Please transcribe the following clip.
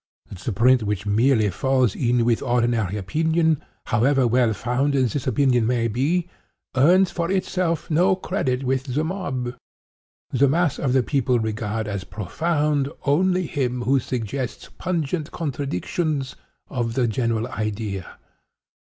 The print which merely falls in with ordinary opinion (however well founded this opinion may be) earns for itself no credit with the mob. The mass of the people regard as profound only him who suggests pungent contradictions of the general idea.